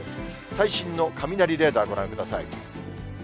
最新の雷レーダー、ご覧ください。